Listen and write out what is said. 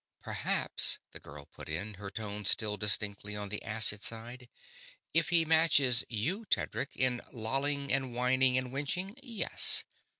"Perhaps," the girl put in, her tone still distinctly on the acid side. "If he matches you, Tedric, in lolling and wining and wenching, yes.